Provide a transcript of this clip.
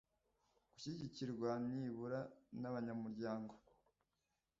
Gushyigikirwa nibura n abanyamuryango